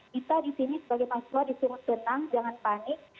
kita disini sebagai mahasiswa disuruh tenang jangan panik